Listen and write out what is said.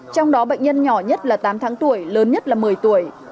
trong đó bệnh nhân nhỏ nhất là tám tháng tuổi lớn nhất là một mươi tuổi